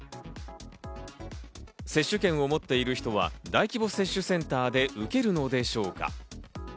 接種券を持っている人は大規模接種センターで受けるのでしょうか。